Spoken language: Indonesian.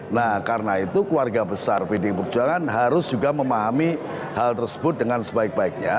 nah karena itu keluarga besar pdi perjuangan harus juga memahami hal tersebut dengan sebaik baiknya